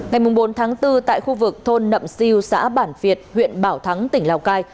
ngày bốn tháng bốn tại khu vực thôn nậm siêu xã bản việt huyện bảo thắng tỉnh lào cai